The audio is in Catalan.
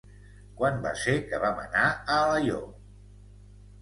Quan va ser que vam anar a Alaior?